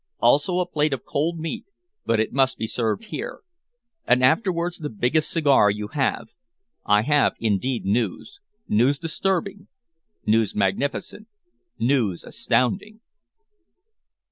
"Also a plate of cold meat, but it must be served here. And afterwards the biggest cigar you have. I have indeed news, news disturbing, news magnificent, news astounding."